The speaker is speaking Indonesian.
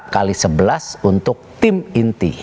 kali sebelas untuk tim inti